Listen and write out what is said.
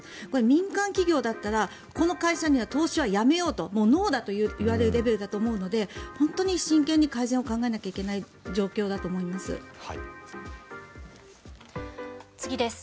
民間企業だったらこの会社には投資をやめようともう、ノーだといわれるレベルだと思うので本当に真剣に改善を考えなければいけない状況だと思います。